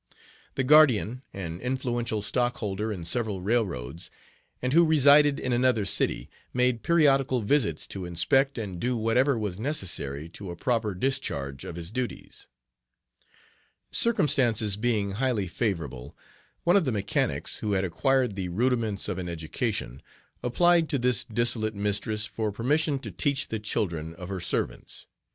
The guardian, an influential stockholder in several railroads, and who resided in another city, made periodical visits to inspect and do whatever was necessary to a proper discharge of his duties. Circumstances being highly favorable, one of the mechanics, who had acquired the rudiments of an education, applied to this dissolute mistress for permission to teach the children of her "servants."